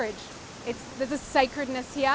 ini adalah suci di sini